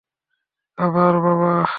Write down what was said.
আবার, বাবা!